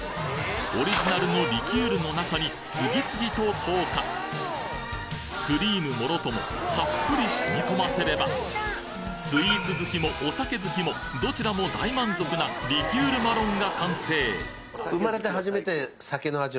オリジナルのリキュールの中に次々と投下クリームもろともたっぷりしみ込ませればスイーツ好きもお酒好きもどちらも大満足なリキュールマロンが完成へぇ！